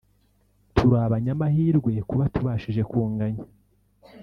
“Turi abanyamahirwe kuba tubashije kunganya